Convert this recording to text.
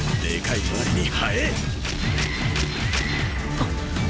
あっ。